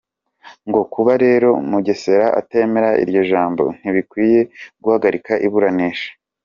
Ngo kuba rero Mugesera atemera iryo jambo, ntibikwiye guhagarika iburanisha.